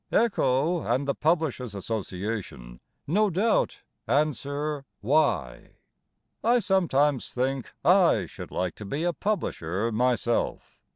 Echo and the Publishers' Association No doubt answer "Why?" I sometimes think I should like to be a publisher myself.